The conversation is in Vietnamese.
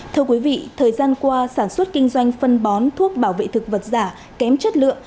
thưa quý vị thời gian qua sản xuất kinh doanh phân bón thuốc bảo vệ thực vật giả kém chất lượng